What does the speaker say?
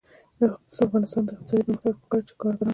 د افغانستان د اقتصادي پرمختګ لپاره پکار ده چې کارګران وي.